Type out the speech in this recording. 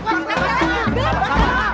mbak stella juga